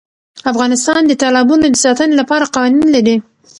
افغانستان د تالابونو د ساتنې لپاره قوانین لري.